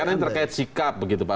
karena ini terkait sikap begitu pak